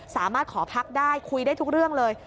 สามารถขอพักได้คุยได้ทุกเรื่องเลย